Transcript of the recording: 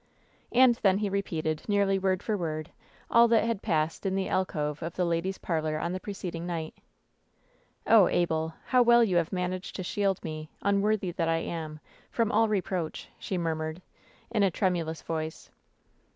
And then he repeated, nearly word for word, all that *7« WHEN SHADOWS DIE had passed in the alcove of the ladies' parlor on the pre ceding night. "Oh, Abel, how well you have managed to shield me, unworthy that I am, from all reproach 1" she murmured, in a tremulous voice.